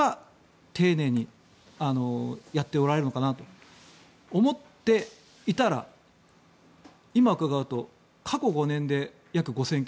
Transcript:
丁寧にやっておられるのかなと思っていたら今、伺うと過去５年でおよそ５０００件。